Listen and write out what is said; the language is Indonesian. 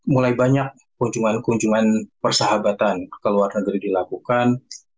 mulai banyak kunjungan kunjungan persahabatan ke luar negeri dilakukan